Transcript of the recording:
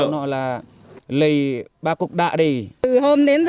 cô nói là lấy ba cục đá đi